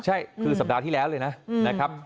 ใช่คือสัปดาห์ที่แล้วเลยนะครับ